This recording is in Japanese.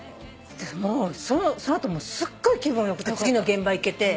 その後すっごい気分良くて次の現場行けて。